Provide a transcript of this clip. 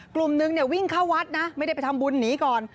กลุ่มนึงเนี่ยวิ่งเข้าวัดนะไม่ได้ไปทำบุญหนีก่อน